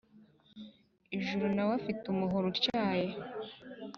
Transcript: ijuru na we afite umuhoro utyaye